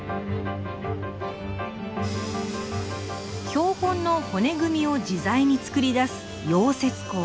標本の骨組みを自在に作り出す溶接工。